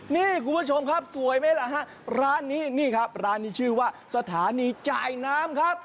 นี่คุณผู้ชมครับสวยไหมล่ะฮะร้านนี้นี่ครับร้านนี้ชื่อว่าสถานีจ่ายน้ำครับ